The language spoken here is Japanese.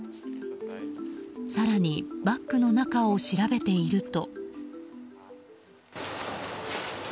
更に、バッグの中を調べていると。